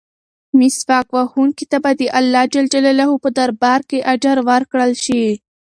مسواک وهونکي ته به د اللهﷻ په دربار کې اجر ورکړل شي.